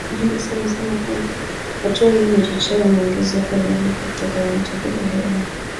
Mhandisi amesema kwamba hatua hiyo imechochewa na ongezeko la vifo kutokana na uchafuzi wa hewa ulimwenguni